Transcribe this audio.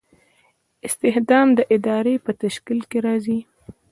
استخدام د ادارې په تشکیل کې راځي.